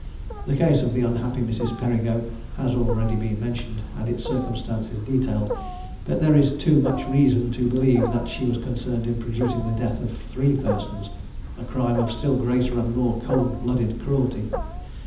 The case of the unhappy Mrs. Perigo has been already mentioned, and its circumstances detailed, but there is too much reason to believe that she was concerned in producing the death of three persons, a crime of still greater and more cold blooded cruelty.